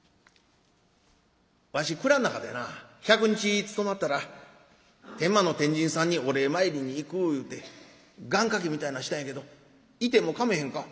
わし蔵ん中でな１００日つとまったら天満の天神さんにお礼参りに行くいうて願かけみたいなんしたんやけど行てもかまへんか？」。